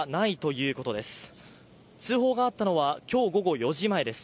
通報があったのは今日午後４時前です。